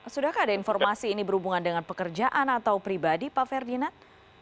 sudahkah ada informasi ini berhubungan dengan pekerjaan atau pribadi pak ferdinand